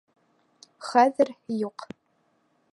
Хәҙер -юҡ.